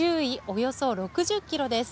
およそ６０キロです。